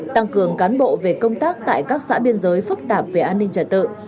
tăng cường cán bộ về công tác tại các xã biên giới phức tạp về an ninh trật tự